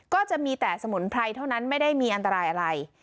ก็จะมีแต่สมุนไพรเท่านั้นไม่ได้มีอันตรายอะไร